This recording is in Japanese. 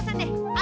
あ